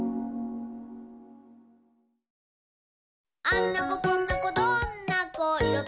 「あんな子こんな子どんな子いろ